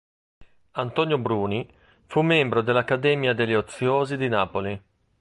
Antonio Bruni fu membro dell'Accademia degli Oziosi di Napoli.